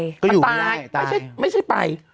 มันตายไม่ใช่ไป